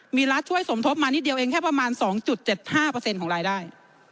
มีรัฐช่วยสมทบมานิดเดียวเองแค่ประมาณ๒๗๕ของรายได้